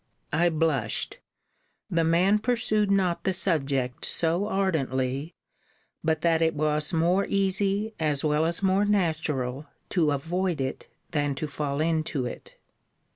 I blushed. The man pursued not the subject so ardently, but that it was more easy as well as more natural to avoid it than to fall into it.